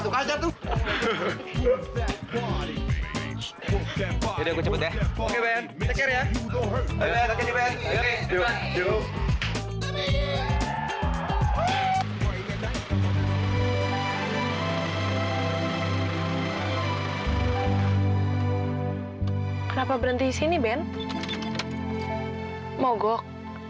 kenapa berhenti sini ben mogok